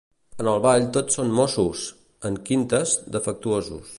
En el ball tots són mossos; en quintes, defectuosos.